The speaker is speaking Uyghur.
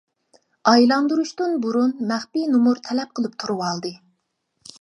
ئايلاندۇرۇشتىن بۇرۇن مەخپىي نومۇر تەلەپ قىلىپ تۇرۇۋالدى.